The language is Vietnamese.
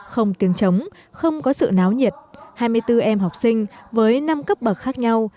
không tiếng chống không có sự náo nhiệt hai mươi bốn em học sinh với năm cấp bậc khác nhau